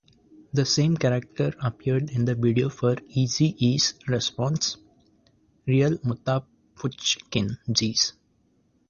The same character appeared in the video for Eazy E's response, "Real Muthaphuckkin G's".